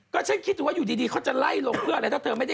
ก็ฉันคิดว่าอยุ่ดีเขาจะไล่ลงเพื่ออะไร